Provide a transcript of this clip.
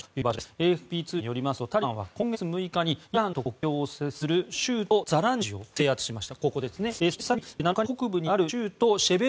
ＡＦＰ通信によりますとタリバンは今月６日にイランと国境を接する州都ザランジを制圧しました。